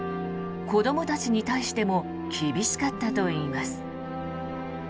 子どもたちに対しても厳しかったといいます。